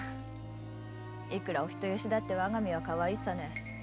いくらお人よしだってわが身はかわいいさね。